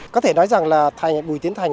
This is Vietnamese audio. có thể nói rằng là thành bùi tiến thành